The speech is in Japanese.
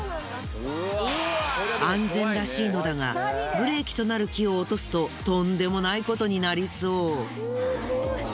安全らしいのだがブレーキとなる木を落とすととんでもないことになりそう。